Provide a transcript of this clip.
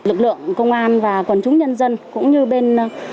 lực lượng công an và quần chúng nhân dân cũng như bên